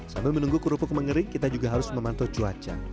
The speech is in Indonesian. sambil menunggu kerupuk mengering kita juga harus memantau cuaca